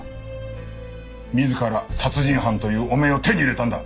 自ら殺人犯という汚名を手に入れたんだ！